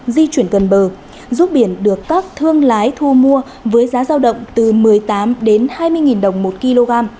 rút biển được các thương lái thu mua với giá giao động từ một mươi tám hai mươi đồng một kg